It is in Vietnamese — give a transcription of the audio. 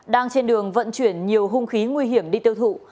đang trên đường vận chuyển nhiều hung khí nguy hiểm đi tiêu thụ